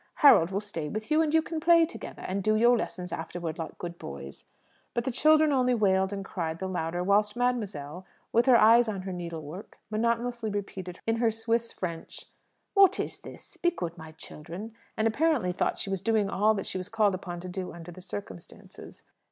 Harold will stay with you, and you can play together, and do your lessons afterwards, like good boys." But the children only wailed and cried the louder, whilst mademoiselle, with her eyes on her needlework, monotonously repeated in her Swiss French, "What is this? Be good, my children," and apparently thought she was doing all that she was called upon to do under the circumstances.